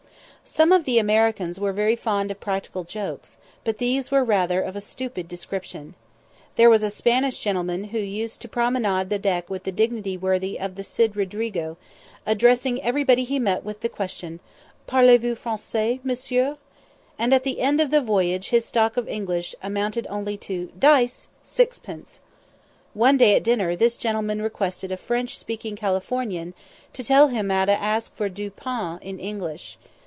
Some of the Americans were very fond of practical jokes, but these were rather of a stupid description. There was a Spanish gentleman who used to promenade the deck with a dignity worthy of the Cid Rodrigo, addressing everybody he met with the question, "Parlez vous Français, Monsieur?" and at the end of the voyage his stock of English only amounted to "Dice? Sixpence." One day at dinner this gentleman requested a French speaking Californian to tell him how to ask for du pain in English.